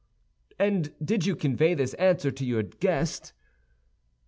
"And did you convey this answer to your guest?"